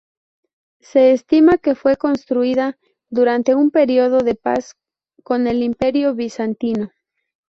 Se estima que fue construida durante un período de paz con el Imperio Bizantino.